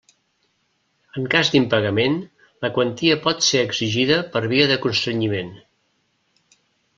En cas d'impagament la quantia pot ser exigida per via de constrenyiment.